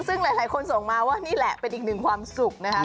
ซึ่งหลายคนส่งมาว่านี่แหละเป็นอีกหนึ่งความสุขนะครับ